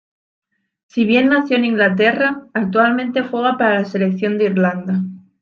Si bien nació en Inglaterra, actualmente juega para la selección de Irlanda.